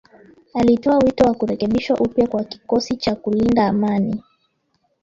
Alitoa wito wa kurekebishwa upya kwa kikosi cha kulinda amani